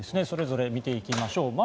それぞれ見ていきましょう。